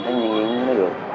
thấy nhân viên nó gượt